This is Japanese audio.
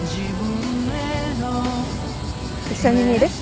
一緒に見る？